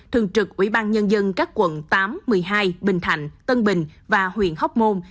thường trực ủy ban nhân dân các quận tám một mươi hai bình thạnh tân bình và huyện hóc môn